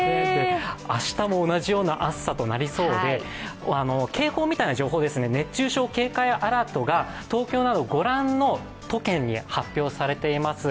明日も同じような暑さとなりそうで、警報みたいな情報、熱中症警戒アラートが東京など、ご覧の都県に発表されています。